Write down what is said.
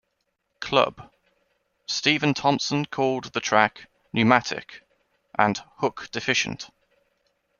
Club", Stephen Thompson called the track "pneumatic" and "hook-deficient".